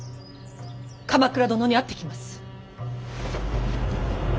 鎌倉殿に会ってきます。